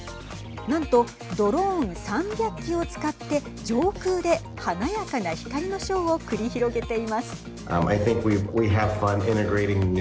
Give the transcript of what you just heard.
なんとドローン３００機を使って上空で華やかな光のショーを繰り広げています。